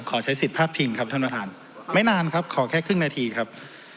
ขอใช้สิทธิพลาดพิงครับท่านประธานไม่นานครับขอแค่ครึ่งนาทีครับ